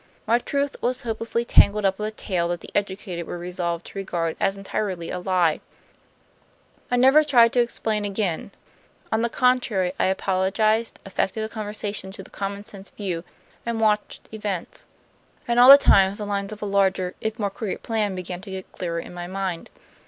My truth was hopelessly tangled up with a tale that the educated were resolved to regard as entirely a lie. I never tried to explain again; on the contrary, I apologized, affected a conversion to the common sense view, and watched events. And all the time the lines of a larger, if more crooked plan, began to get clearer in my mind.